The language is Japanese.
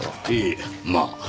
ええまあ。